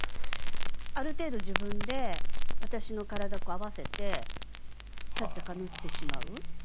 ある程度自分で私の体合わせてちゃっちゃか縫ってしまう。